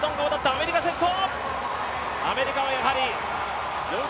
アメリカ先頭！